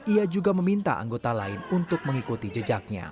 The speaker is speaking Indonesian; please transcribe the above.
ia juga meminta anggota lain untuk mengikuti jejaknya